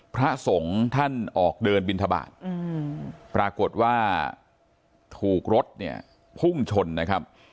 พระสงฆ์ท่านออกเดินบินทบาทปรากฏว่าถูกรถเนี่ยพุ่งชนนะครับ